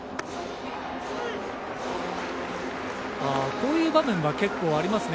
こういう場面は結構ありますね。